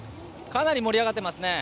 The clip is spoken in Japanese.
かなり盛り上がっています。